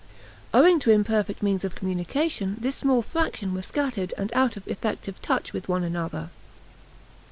Owing to imperfect means of communication, this small fraction were scattered and out of effective touch with one another.